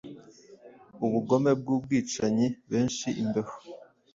Ubugome bwubwicanyibenshi imbeho